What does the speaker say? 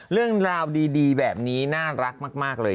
เรื่องราวดีแบบนี้น่ารักมากเลย